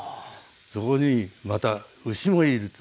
そこにまた牛もいると。